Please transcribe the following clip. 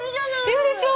いるでしょ？